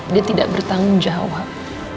dia tidak bertanggung jawab